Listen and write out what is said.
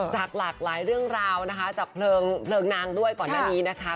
จากหลากหลายเรื่องราวนะคะจากเพลิงนางด้วยก่อนหน้านี้นะคะ